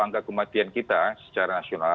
angka kematian kita secara nasional